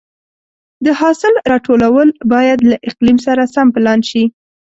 د حاصل راټولول باید له اقلیم سره سم پلان شي.